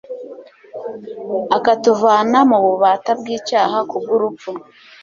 akatuvana mu bubata bw icyaha ku bw urupfu